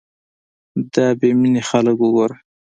دا بې مينې خلک وګوره